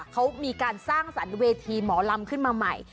เขามีการสร้างสรรค์เวทีหมอลำขึ้นมาใหม่